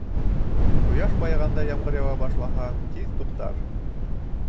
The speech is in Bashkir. Ҡояш байығанда ямғыр яуа башлаһа, тиҙ туҡтар.